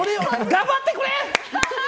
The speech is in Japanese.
頑張ってくれ！